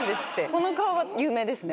この顔は有名ですね。